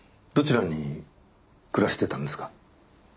どちらに暮らしてたんですか？